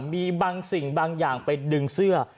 มีบางสิ่งบางอย่างไปดึงเสื้อ